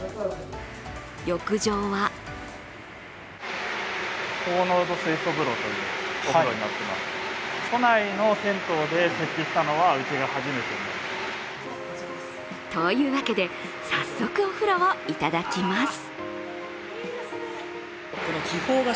浴場はというわけで、早速、お風呂をいただきます。